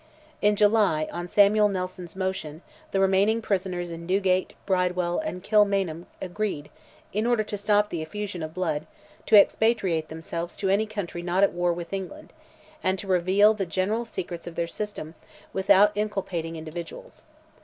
In July, on Samuel Nelson's motion, the remaining prisoners in Newgate, Bridewell, and Kilmainham, agreed, in order to stop the effusion of blood, to expatriate themselves to any country not at war with England, and to reveal the general secrets of their system, without inculpating individuals.